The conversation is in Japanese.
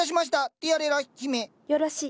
よろしい。